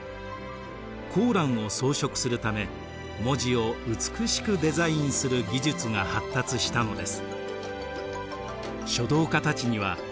コーランを装飾するため文字を美しくデザインする技術が発達したのです。